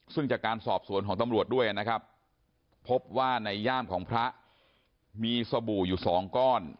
ซึ่งจากการสอบสวนของตำรวจด้วยนะครับพบว่าในย่ามของพระมีสบู่อยู่สองก้อน